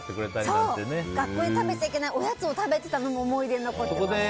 学校で食べちゃいけないおやつを食べてたのも思い出に残ってます。